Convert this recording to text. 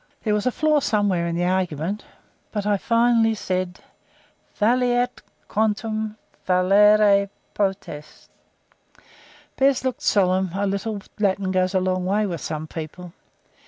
There was a flaw somewhere in the argument, but I only said, "'Valeat quantum valere potest.'" Bez looked solemn; a little Latin goes a long way with some people.